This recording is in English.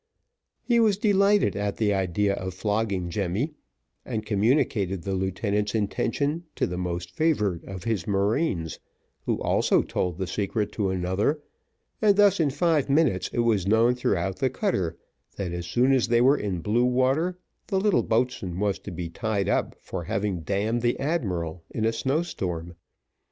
He was delighted at the idea of flogging Jemmy, and communicated the lieutenant's intention to the most favoured of his marines, who also told the secret to another, and thus in five minutes, it was known throughout the cutter, that as soon as they were in blue water, the little boatswain was to be tied up for having damned the admiral in a snow storm.